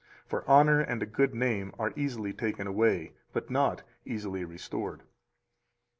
For honor and a good name are easily taken away, but not easily restored.